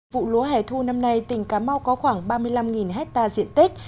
vụ lúa hẻ thu năm nay tỉnh cà mau có khoảng ba mươi năm hectare diện tích